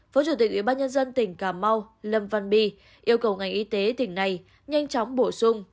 phó chủ tịch ủy ban nhân dân tỉnh cà mau lâm văn bi yêu cầu ngành y tế tỉnh này nhanh chóng bổ sung